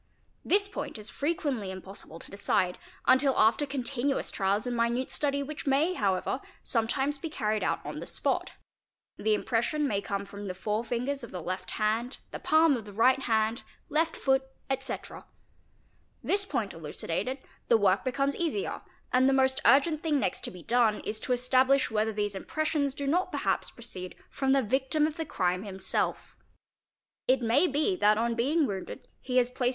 This point it is frequently impossible to decide until after continuous trials and minute study which may, however, sometimes be carried out on the spot: the impression may come from the fore fingers of the left hand, the palm of the right hand, left foot, etc. This point elucidated, the work becomes easier, and the most urgent thing next to be done is to establish whether these inypressions do not perhaps proceed from the victim of the crime himself. It may be that on being wounded he has placed.